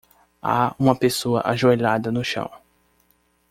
Há uma pessoa ajoelhada no chão.